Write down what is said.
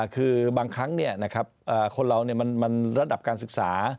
คือบางครั้งคนเรามันระดับการศึกษา